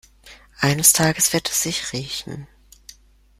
Eines Tages wird er sich rächen.